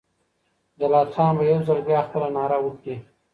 جلات خان به یو ځل بیا خپله ناره وکړي.